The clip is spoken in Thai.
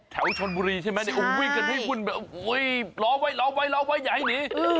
แถวชนบุรีใช่ไหมอุ้งวิ่งกันให้บุ่นหลอกไว้หลอกไว้อย่าให้หนี